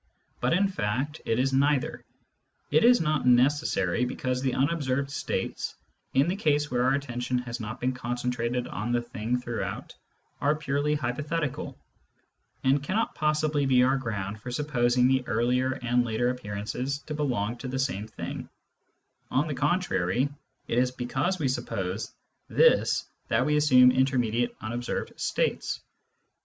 But in fact it is neither. It is_ not neces sary^ be^j^^^^ t^^ un observed states ^ in the case where our attention has not been concentrated on the thing throughout, aje purely hypothetical^ and cannot possibly be our ground for supposing the earlier and later appearances to belong to the same thing ; on the contrary, it is because we sup Digitized by Google WORLDS OF PHYSICS AND OF SENSE 109 pose this that we assume intermediate unobserved states.